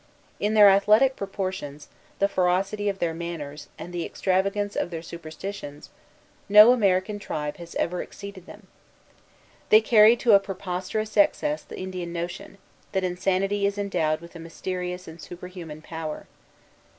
In their athletic proportions, the ferocity of their manners, and the extravagance of their superstitions, no American tribe has ever exceeded them. They carried to a preposterous excess the Indian notion, that insanity is endowed with a mysterious and superhuman power.